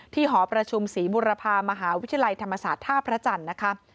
หอประชุมศรีบุรพามหาวิทยาลัยธรรมศาสตร์ท่าพระจันทร์นะคะ